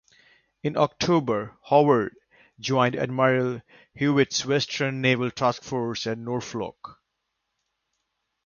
In October, "Howard" joined Admiral Hewitt's Western Naval Task Force at Norfolk.